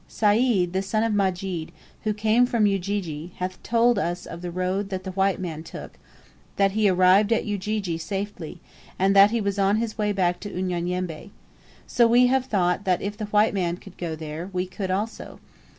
"Sayd, the son of Majid, who came from Ujiji, hath told us of the road that the white man took, that he had arrived at Ujiji safely, and that he was on his way back to Unyanyembe. So we have thought that if the white man could go there, we could also.